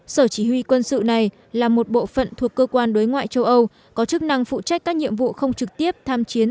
sở chỉ huy quân sự này là một bộ phận thuộc cơ quan đối ngoại châu âu có chức năng phụ trách các nhiệm vụ không trực tiếp tham chiến